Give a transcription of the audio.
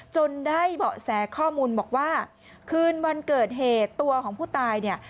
จนได้เบาะแสข้อมูลบอกว่าคืนวันเกิดเหตุตัวของผู้ตายเนี่ย